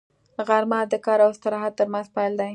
غرمه د کار او استراحت تر منځ پل دی